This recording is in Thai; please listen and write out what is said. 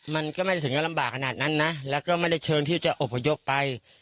มันก็ไม่ได้ถึงจะลำบากขนาดนั้นนะแล้วก็ไม่ได้เชิงที่จะอบพยพไป